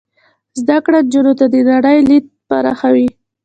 زده کړه نجونو ته د نړۍ لید پراخوي.